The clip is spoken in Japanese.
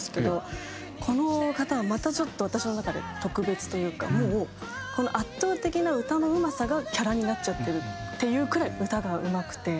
この方はまたちょっと私の中で特別というかもうこの圧倒的な歌のうまさがキャラになっちゃってるっていうくらい歌がうまくて。